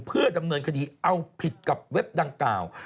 เพื่อดำเนินคดีเอาผิดกับเว็บดังกล่าว